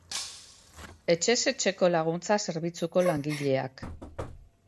Etxez etxeko laguntza-zerbitzuko langileak.